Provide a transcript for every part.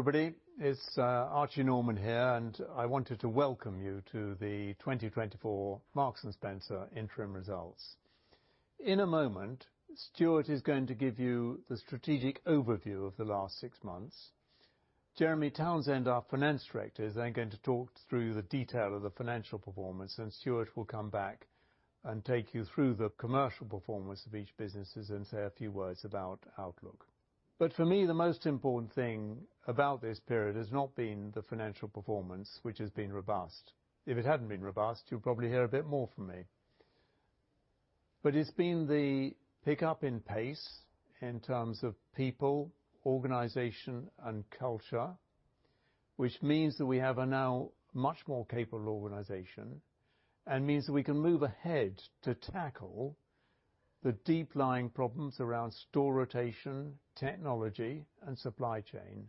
Hello, everybody. It's Archie Norman here, and I wanted to welcome you to the 2024 Marks & Spencer Interim Results. In a moment, Stuart is going to give you the strategic overview of the last six months. Jeremy Townsend, our Finance Director, is then going to talk through the detail of the financial performance, and Stuart will come back and take you through the commercial performance of each business and say a few words about outlook. But for me, the most important thing about this period has not been the financial performance, which has been robust. If it hadn't been robust, you'd probably hear a bit more from me. But it's been the pickup in pace in terms of people, organization, and culture, which means that we have a now much more capable organization and means that we can move ahead to tackle the deep-lying problems around store rotation, technology, and supply chain.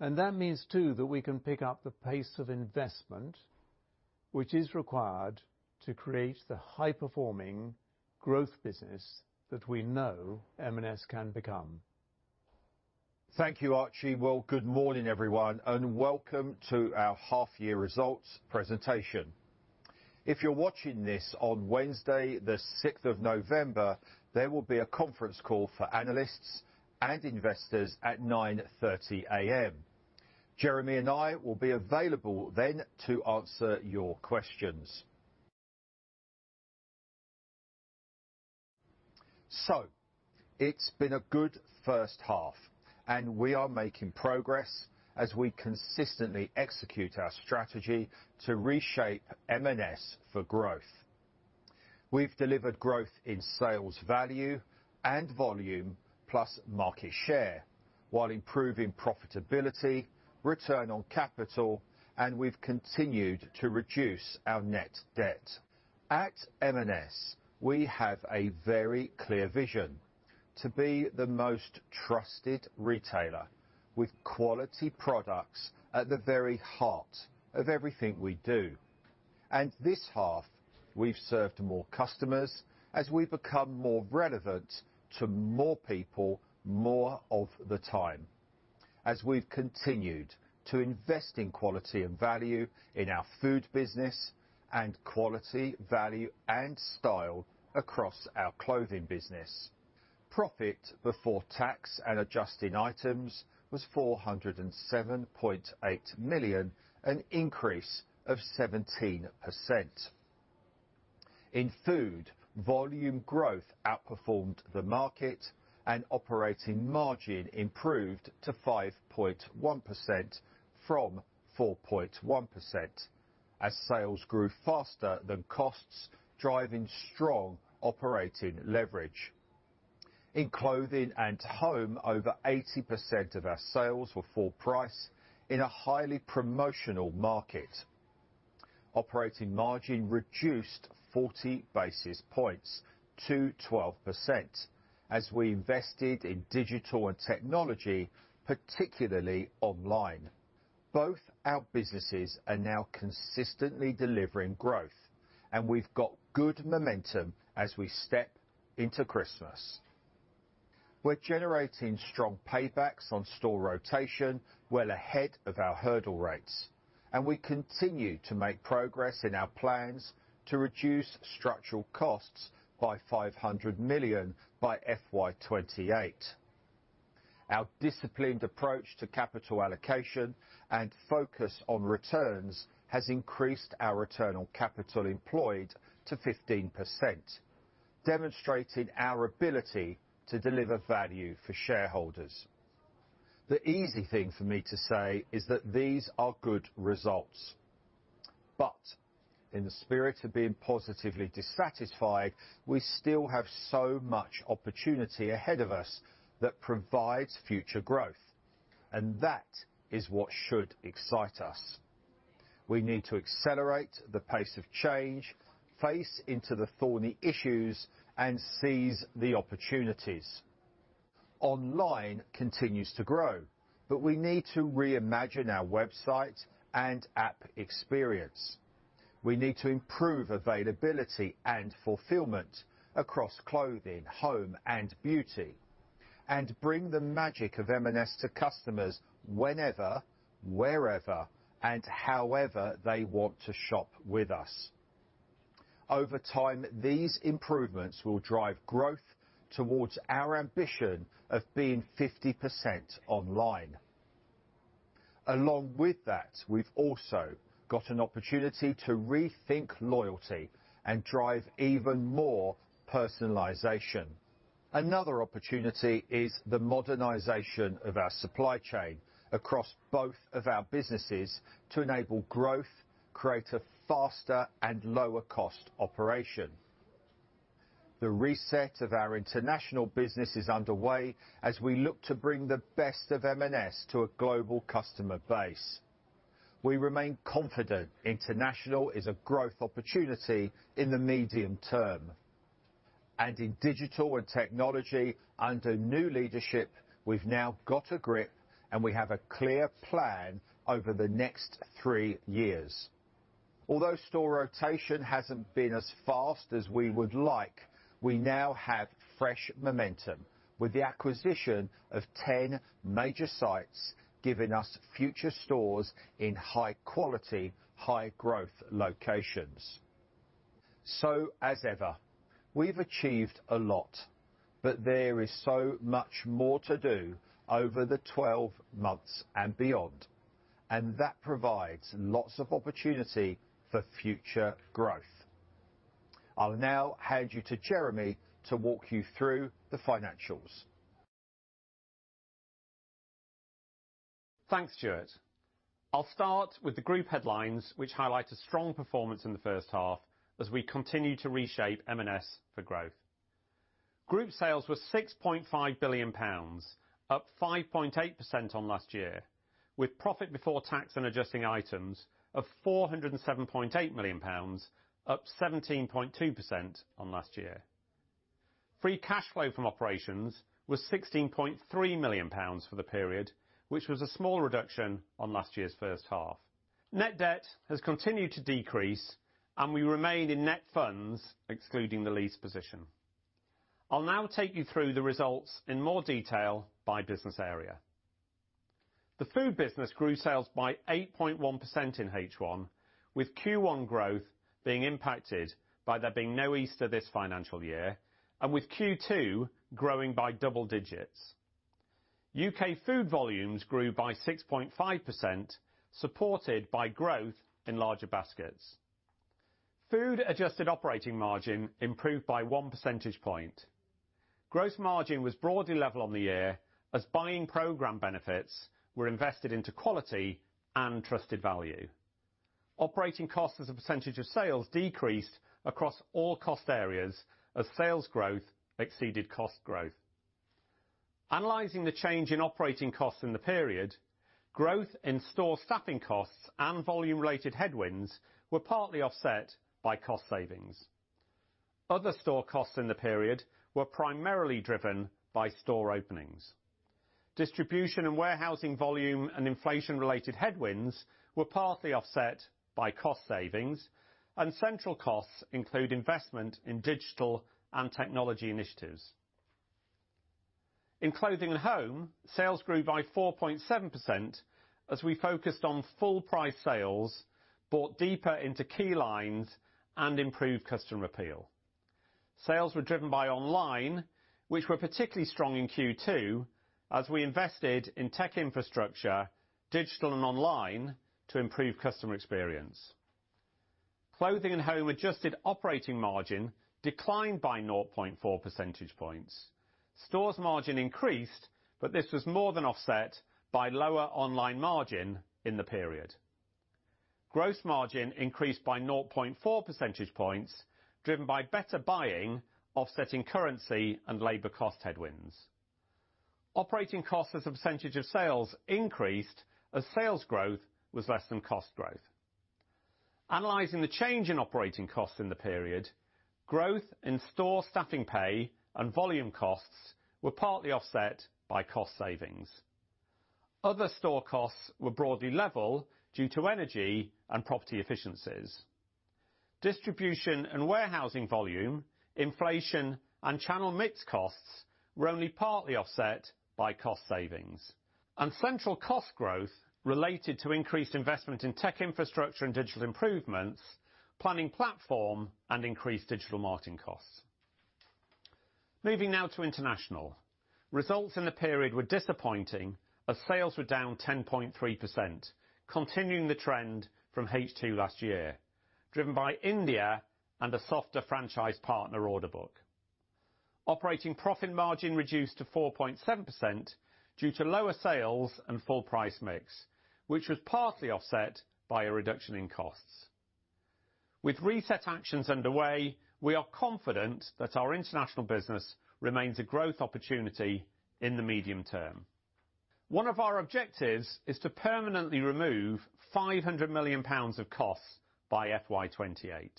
And that means, too, that we can pick up the pace of investment which is required to create the high-performing growth business that we know M&S can become. Thank you, Archie. Well, good morning, everyone, and welcome to our half-year results presentation. If you're watching this on Wednesday, the 6th of November, there will be a conference call for analysts and investors at 9:30 A.M. Jeremy and I will be available then to answer your questions. So it's been a good first half, and we are making progress as we consistently execute our strategy to reshape M&S for growth. We've delivered growth in sales value and volume plus market share while improving profitability, return on capital, and we've continued to reduce our net debt. At M&S, we have a very clear vision to be the most trusted retailer with quality products at the very heart of everything we do. And this half, we've served more customers as we become more relevant to more people more of the time, as we've continued to invest in quality and value in our food business and quality, value, and style across our clothing business. Profit before tax and adjusting items was 407.8 million, an increase of 17%. In Food, volume growth outperformed the market, and operating margin improved to 5.1% from 4.1% as sales grew faster than costs, driving strong operating leverage. In Clothing & Home, over 80% of our sales were full price in a highly promotional market. Operating margin reduced 40 basis points to 12% as we invested in digital and technology, particularly online. Both our businesses are now consistently delivering growth, and we've got good momentum as we step into Christmas. We're generating strong paybacks on store rotation well ahead of our hurdle rates, and we continue to make progress in our plans to reduce structural costs by 500 million by FY28. Our disciplined approach to capital allocation and focus on returns has increased our return on capital employed to 15%, demonstrating our ability to deliver value for shareholders. The easy thing for me to say is that these are good results. But in the spirit of being positively dissatisfied, we still have so much opportunity ahead of us that provides future growth, and that is what should excite us. We need to accelerate the pace of change, face into the thorny issues, and seize the opportunities. Online continues to grow, but we need to reimagine our website and app experience. We need to improve availability and fulfillment across clothing, home, and beauty, and bring the magic of M&S to customers whenever, wherever, and however they want to shop with us. Over time, these improvements will drive growth towards our ambition of being 50% online. Along with that, we've also got an opportunity to rethink loyalty and drive even more personalization. Another opportunity is the modernization of our supply chain across both of our businesses to enable growth, create a faster and lower-cost operation. The reset of our International business is underway as we look to bring the best of M&S to a global customer base. We remain confident International is a growth opportunity in the medium term, and in digital and technology, under new leadership, we've now got a grip, and we have a clear plan over the next three years. Although store rotation hasn't been as fast as we would like, we now have fresh momentum with the acquisition of 10 major sites giving us future stores in high-quality, high-growth locations, so as ever, we've achieved a lot, but there is so much more to do over the 12 months and beyond, and that provides lots of opportunity for future growth. I'll now hand you to Jeremy to walk you through the financials. Thanks, Stuart. I'll start with the group headlines, which highlight a strong performance in the first half as we continue to reshape M&S for growth. Group sales were 6.5 billion pounds, up 5.8% on last year, with profit before tax and adjusting items of 407.8 million pounds, up 17.2% on last year. Free cash flow from operations was 16.3 million pounds for the period, which was a small reduction on last year's first half. Net debt has continued to decrease, and we remain in net funds, excluding the lease position. I'll now take you through the results in more detail by business area. The Food business grew sales by 8.1% in H1, with Q1 growth being impacted by there being no Easter this financial year and with Q2 growing by double digits. UK Food volumes grew by 6.5%, supported by growth in larger baskets. Food adjusted operating margin improved by one percentage point. Gross margin was broadly level on the year as buying program benefits were invested into quality and trusted value. Operating costs as a percentage of sales decreased across all cost areas as sales growth exceeded cost growth. Analyzing the change in operating costs in the period, growth in store staffing costs and volume-related headwinds were partly offset by cost savings. Other store costs in the period were primarily driven by store openings. Distribution and warehousing volume and inflation-related headwinds were partly offset by cost savings, and central costs include investment in digital and technology initiatives. In Clothing & Home, sales grew by 4.7% as we focused on full-price sales, bought deeper into key lines, and improved customer appeal. Sales were driven by online, which were particularly strong in Q2 as we invested in tech infrastructure, digital, and online to improve customer experience. Clothing & Home adjusted operating margin declined by 0.4 percentage points. Stores' margin increased, but this was more than offset by lower online margin in the period. Gross margin increased by 0.4 percentage points, driven by better buying, offsetting currency and labor cost headwinds. Operating costs as a percentage of sales increased as sales growth was less than cost growth. Analyzing the change in operating costs in the period, growth in store staffing pay and volume costs were partly offset by cost savings. Other store costs were broadly level due to energy and property efficiencies. Distribution and warehousing volume, inflation, and channel mix costs were only partly offset by cost savings, and central cost growth related to increased investment in tech infrastructure and digital improvements, planning platform, and increased digital marketing costs. Moving now to International. Results in the period were disappointing as sales were down 10.3%, continuing the trend from H2 last year, driven by India and a softer franchise partner order book. Operating profit margin reduced to 4.7% due to lower sales and full-price mix, which was partly offset by a reduction in costs. With reset actions underway, we are confident that our International business remains a growth opportunity in the medium term. One of our objectives is to permanently remove 500 million pounds of costs by FY28.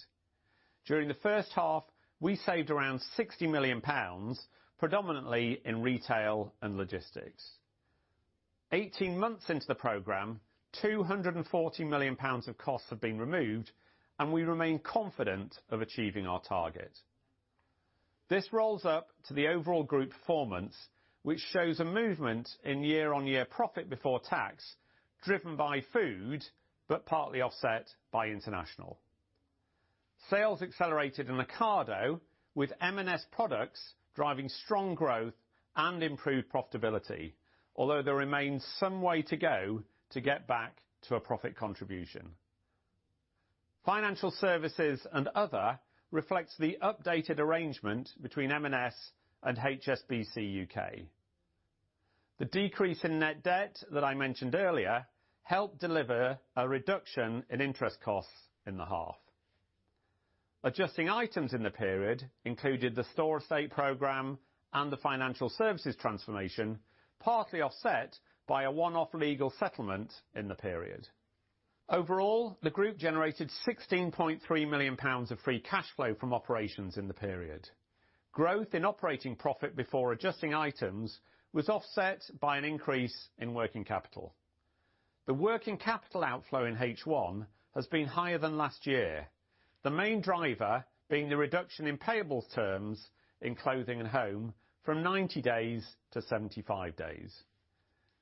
During the first half, we saved around 60 million pounds, predominantly in retail and logistics. 18 months into the program, 240 million pounds of costs have been removed, and we remain confident of achieving our target. This rolls up to the overall group performance, which shows a movement in year-on-year profit before tax driven by food but partly offset by International. Sales accelerated in Ocado, with M&S products driving strong growth and improved profitability, although there remains some way to go to get back to a profit contribution. Financial Services and Other reflects the updated arrangement between M&S and HSBC UK. The decrease in net debt that I mentioned earlier helped deliver a reduction in interest costs in the half. Adjusting items in the period included the store estate program and the financial services transformation, partly offset by a one-off legal settlement in the period. Overall, the group generated 16.3 million pounds of free cash flow from operations in the period. Growth in operating profit before adjusting items was offset by an increase in working capital. The working capital outflow in H1 has been higher than last year, the main driver being the reduction in payables terms in Clothing & Home from 90 days to 75 days.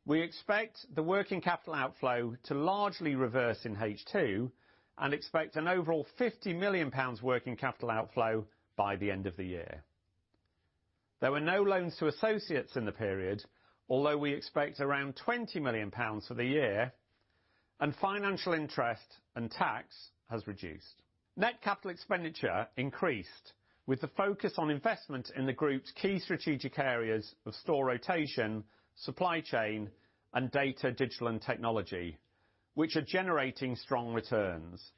We expect the working capital outflow to largely reverse in H2 and expect an overall £50 million working capital outflow by the end of the year. There were no loans to associates in the period, although we expect around £20 million for the year, and financial interest and tax has reduced. Net capital expenditure increased with the focus on investment in the group's key strategic areas of store rotation, supply chain, and data, digital, and technology, which are generating strong returns.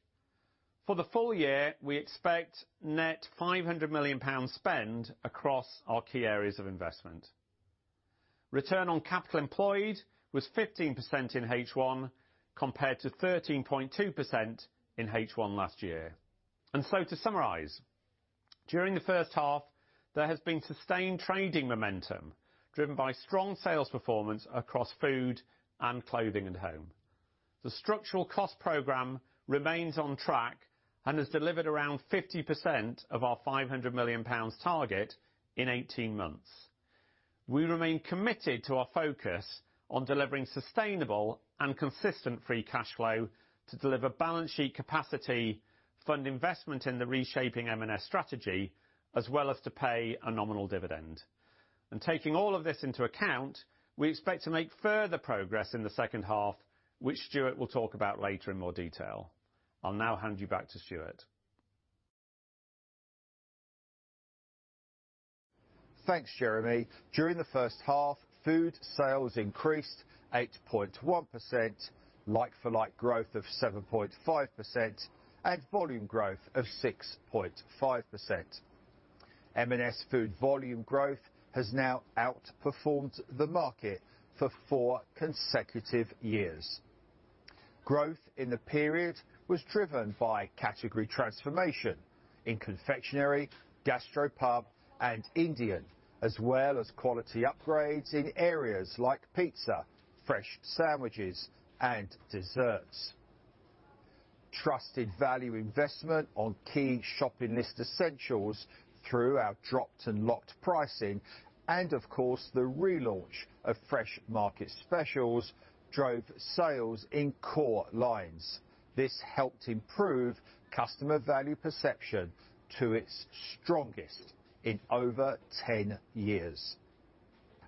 For the full year, we expect net £500 million spend across our key areas of investment. Return on Capital Employed was 15% in H1 compared to 13.2% in H1 last year. And so, to summarize, during the first half, there has been sustained trading momentum driven by strong sales performance across food and Clothing & Home. The structural cost program remains on track and has delivered around 50% of our 500 million pounds target in 18 months. We remain committed to our focus on delivering sustainable and consistent free cash flow to deliver balance sheet capacity, fund investment in the reshaping M&S strategy, as well as to pay a nominal dividend. Taking all of this into account, we expect to make further progress in the second half, which Stuart will talk about later in more detail. I'll now hand you back to Stuart. Thanks, Jeremy. During the first half, Food sales increased 8.1%, like-for-like growth of 7.5%, and volume growth of 6.5%. M&S Food volume growth has now outperformed the market for four consecutive years. Growth in the period was driven by category transformation in confectionery, Gastropub, and Indian, as well as quality upgrades in areas like pizza, fresh sandwiches, and desserts. Trusted value investment on key shopping list essentials through our Dropped & Locked pricing, and of course, the relaunch of Fresh Market Specials drove sales in core lines. This helped improve customer value perception to its strongest in over 10 years,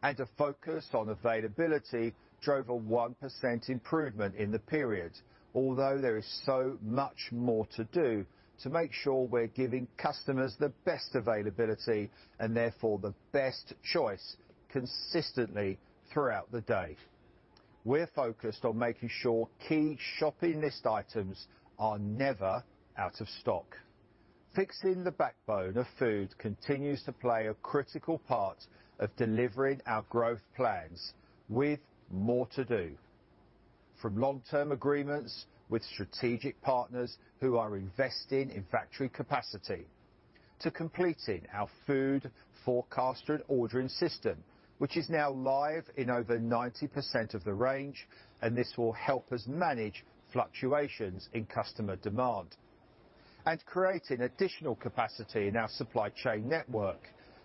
and a focus on availability drove a 1% improvement in the period, although there is so much more to do to make sure we're giving customers the best availability and therefore the best choice consistently throughout the day. We're focused on making sure key shopping list items are never out of stock. Fixing the backbone of Food continues to play a critical part of delivering our growth plans with more to do, from long-term agreements with strategic partners who are investing in factory capacity to completing our food forecaster and ordering system, which is now live in over 90% of the range, and this will help us manage fluctuations in customer demand and creating additional capacity in our supply chain network,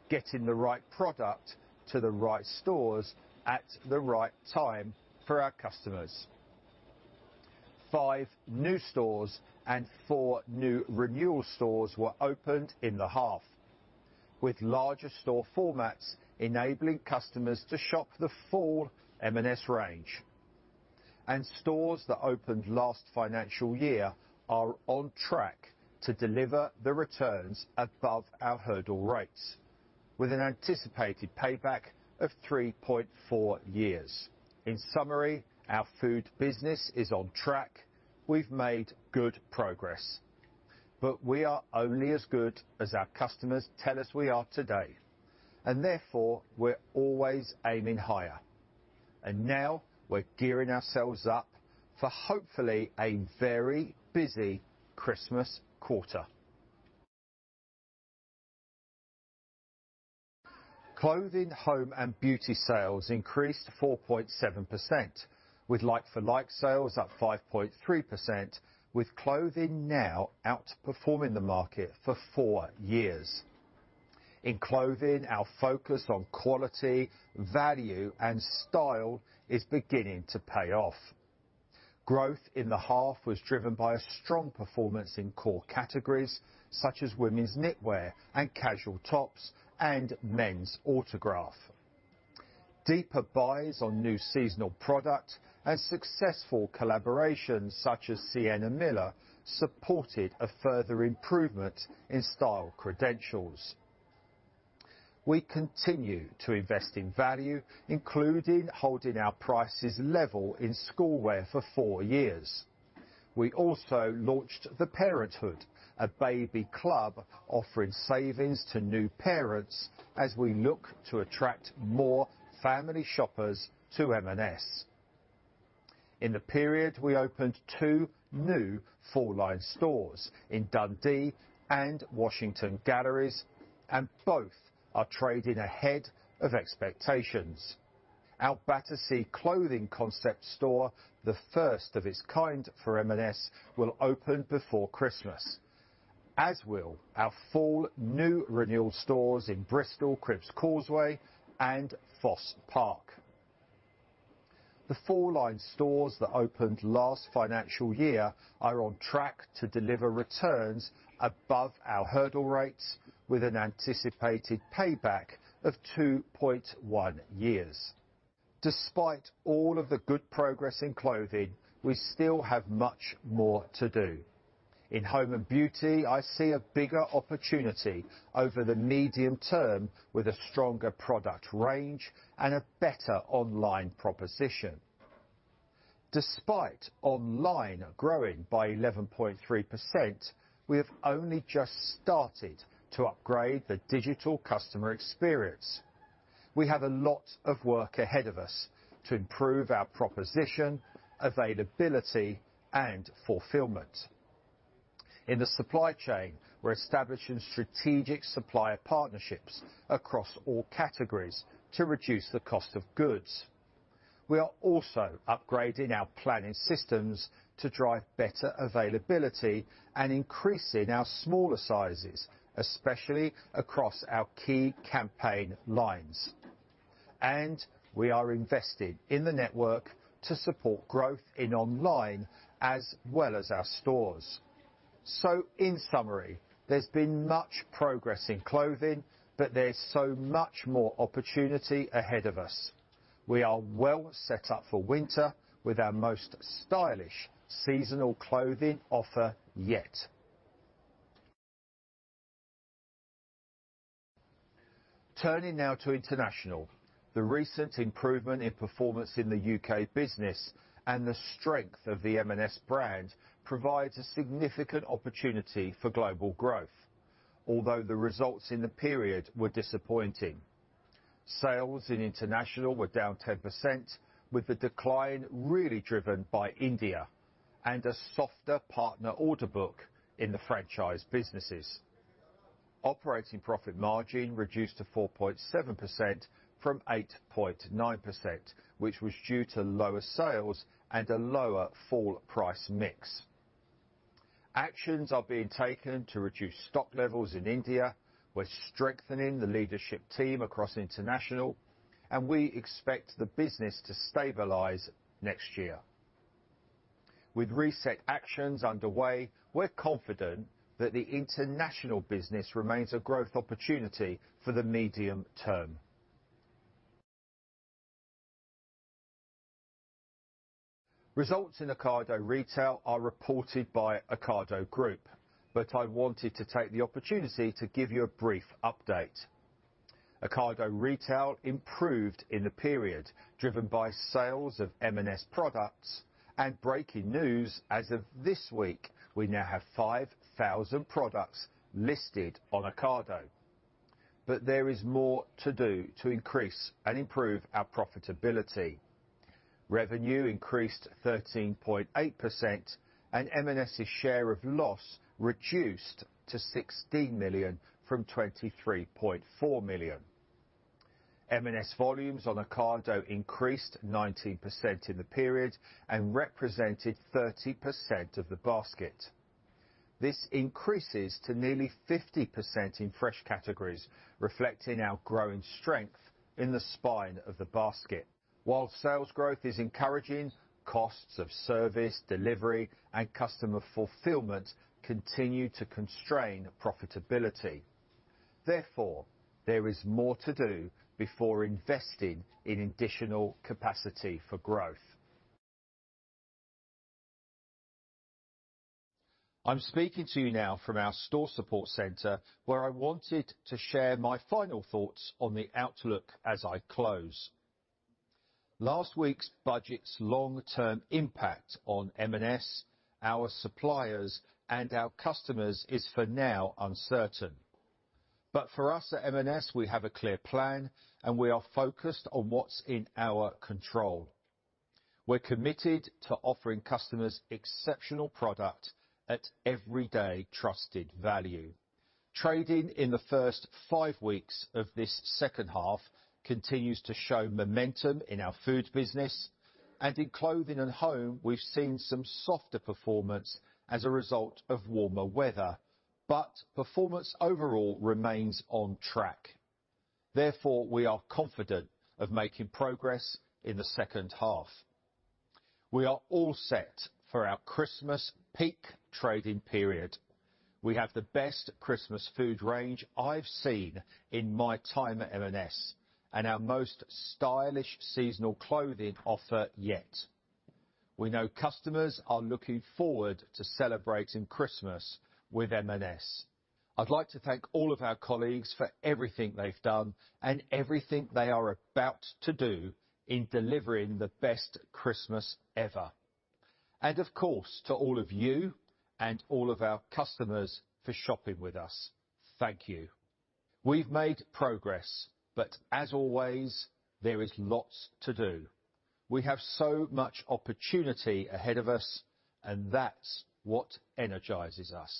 getting the right product to the right stores at the right time for our customers. Five new stores and four new Renewal stores were opened in the half, with larger store formats enabling customers to shop the full M&S range, and stores that opened last financial year are on track to deliver the returns above our hurdle rates, with an anticipated payback of 3.4 years. In summary, our food business is on track. We've made good progress, but we are only as good as our customers tell us we are today, and therefore we're always aiming higher, and now we're gearing ourselves up for hopefully a very busy Christmas quarter. Clothing, home, and beauty sales increased 4.7%, with like-for-like sales up 5.3%, with clothing now outperforming the market for four years. In clothing, our focus on quality, value, and style is beginning to pay off. Growth in the half was driven by a strong performance in core categories such as women's knitwear and casual tops and men's Autograph. Deeper buys on new seasonal product and successful collaborations such as Sienna Miller supported a further improvement in style credentials. We continue to invest in value, including holding our prices level in schoolwear for four years. We also launched The Parent Hood, a baby club offering savings to new parents as we look to attract more family shoppers to M&S. In the period, we opened two new full-line stores in Dundee and Washington Galleries, and both are trading ahead of expectations. Our Battersea clothing concept store, the first of its kind for M&S, will open before Christmas, as will our four new Renewal stores in Bristol, Cribbs Causeway, and Fosse Park. The full-line stores that opened last financial year are on track to deliver returns above our hurdle rates, with an anticipated payback of 2.1 years. Despite all of the good progress in clothing, we still have much more to do. In home and beauty, I see a bigger opportunity over the medium term with a stronger product range and a better online proposition. Despite online growing by 11.3%, we have only just started to upgrade the digital customer experience. We have a lot of work ahead of us to improve our proposition, availability, and fulfillment. In the supply chain, we're establishing strategic supplier partnerships across all categories to reduce the cost of goods. We are also upgrading our planning systems to drive better availability and increasing our smaller sizes, especially across our key campaign lines, and we are investing in the network to support growth in online as well as our stores, so in summary, there's been much progress in clothing, but there's so much more opportunity ahead of us. We are well set up for winter with our most stylish seasonal clothing offer yet. Turning now to International, the recent improvement in performance in the U.K. business and the strength of the M&S brand provides a significant opportunity for global growth, although the results in the period were disappointing. Sales in International were down 10%, with the decline really driven by India and a softer partner order book in the franchise businesses. Operating profit margin reduced to 4.7% from 8.9%, which was due to lower sales and a lower full-price mix. Actions are being taken to reduce stock levels in India. We're strengthening the leadership team across International, and we expect the business to stabilize next year. With reset actions underway, we're confident that the International business remains a growth opportunity for the medium term. Results in Ocado Retail are reported by Ocado Group, but I wanted to take the opportunity to give you a brief update. Ocado Retail improved in the period, driven by sales of M&S products and breaking news. As of this week, we now have 5,000 products listed on Ocado, but there is more to do to increase and improve our profitability. Revenue increased 13.8%, and M&S's share of loss reduced to £16 million from £23.4 million. M&S volumes on Ocado increased 19% in the period and represented 30% of the basket. This increases to nearly 50% in fresh categories, reflecting our growing strength in the spine of the basket. While sales growth is encouraging, costs of service, delivery, and customer fulfillment continue to constrain profitability. Therefore, there is more to do before investing in additional capacity for growth. I'm speaking to you now from our Store Support Centre, where I wanted to share my final thoughts on the outlook as I close. Last week's Budget's long-term impact on M&S, our suppliers, and our customers is for now uncertain, but for us at M&S, we have a clear plan, and we are focused on what's in our control. We're committed to offering customers exceptional product at everyday trusted value. Trading in the first five weeks of this second half continues to show momentum in our food business, and in Clothing & Home, we've seen some softer performance as a result of warmer weather, but performance overall remains on track. Therefore, we are confident of making progress in the second half. We are all set for our Christmas peak trading period. We have the best Christmas food range I've seen in my time at M&S and our most stylish seasonal clothing offer yet. We know customers are looking forward to celebrating Christmas with M&S. I'd like to thank all of our colleagues for everything they've done and everything they are about to do in delivering the best Christmas ever, and of course, to all of you and all of our customers for shopping with us. Thank you. We've made progress, but as always, there is lots to do. We have so much opportunity ahead of us, and that's what energizes us.